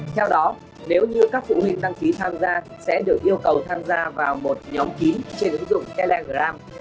theo đó nếu như các phụ huynh đăng ký tham gia sẽ được yêu cầu tham gia vào một nhóm kín trên ứng dụng telegram